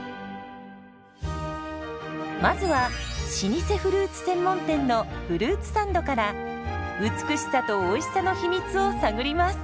まずは老舗フルーツ専門店のフルーツサンドから美しさとおいしさの秘密を探ります。